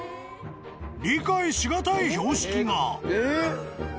［理解し難い標識が］